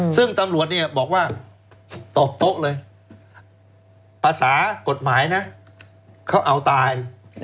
ซึ่งตำรวจเนี่ยบอกว่าตอบโต๊ะเลยภาษากฎหมายนะเขาเอาตาย